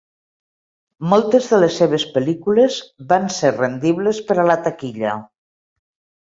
Moltes de les seves pel·lícules van ser rendibles per a la taquilla.